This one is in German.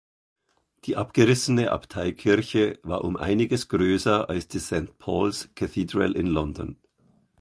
Die abgerissene Abteikirche war um einiges größer als die St Paul’s Cathedral in London.